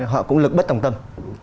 họ cũng lực bất tổng tâm